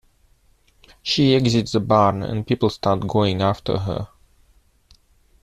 She exits the barn and people start going after her.